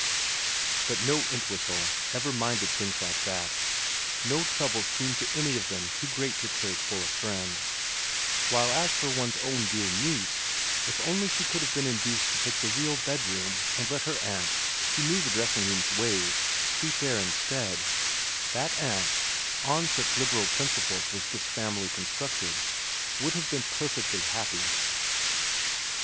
But no Entwhistle ever minded things like that. No trouble seemed to any of them too great to take for a friend ; while as for one's own dear niece, if only she could have been induced to take the real bedroom and let her aunt, who knew the dressing room's ways, sleep 66 vn VERA 67 there instead, that aunt on such liberal principles was this family constructed would have been perfectly happy.